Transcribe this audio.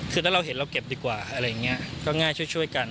คือถ้าเราเห็นเราเก็บดีกว่าอะไรอย่างนี้ก็ง่ายช่วยกัน